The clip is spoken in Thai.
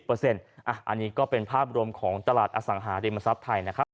อันนี้ก็เป็นภาพรวมของตลาดอสังหาริมทรัพย์ไทยนะครับ